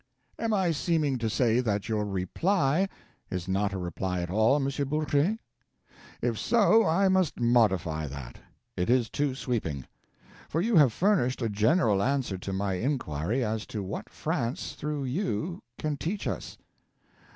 Am I seeming to say that your Reply is not a reply at all, M. Bourget? If so, I must modify that; it is too sweeping. For you have furnished a general answer to my inquiry as to what France through you can teach us.